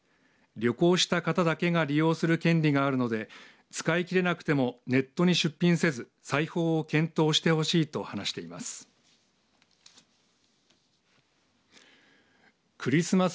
旅行した方だけが利用する権利があるので使い切れなくてもネットに出品せず再訪を検討してほしいと話しています。